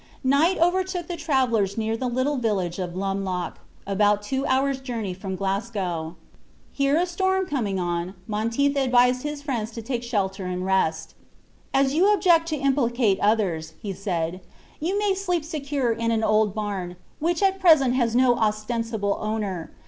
Night overtook the travelers near the little village of Lumloch, about two hours' journey from Glasgow. Here a storm coming on, Monteith advised his friends to take shelter and rest. "As you object to implicate others," said he, "you may sleep secure in an old barn which at present has no ostensible owner.